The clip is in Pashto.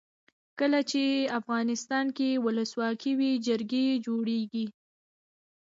کله چې افغانستان کې ولسواکي وي جرګې جوړیږي.